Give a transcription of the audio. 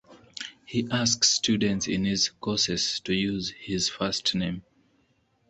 He asks students in his courses to use his first name.